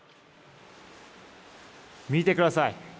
見てください。